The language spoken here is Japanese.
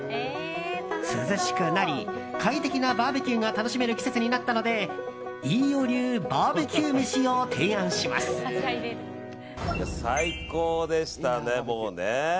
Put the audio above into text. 涼しくなり快適なバーベキューが楽しめる季節になってきたので飯尾流バーベキューめしを最高でしたね、もうね。